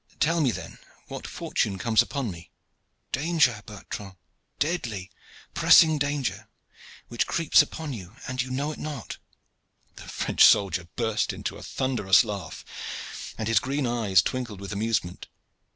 Tell me, then, what fortune comes upon me?" "Danger, Bertrand deadly, pressing danger which creeps upon you and you know it not." The French soldier burst into a thunderous laugh, and his green eyes twinkled with amusement.